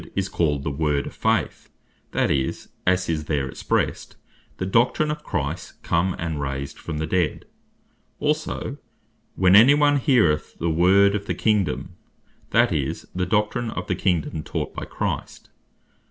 10.8,9.) is called the Word of Faith; that is, as is there expressed, the Doctrine of Christ come, and raised from the dead. Also (Mat. 13. 19.) "When any one heareth the Word of the Kingdome;" that is, the Doctrine of the Kingdome taught by Christ.